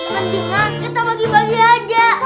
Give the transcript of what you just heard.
mendingan kita bagi bagi aja